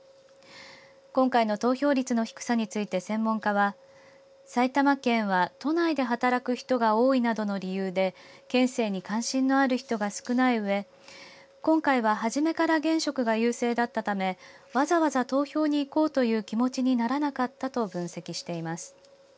今回の投票率の低さについて専門家は埼玉県は都内で働く人が多いなどの理由で県政に関心のある人が少ないうえ今回は初めから現職が優勢だったためわざわざ投票に行こうという気持ちにならなかったと分析しています。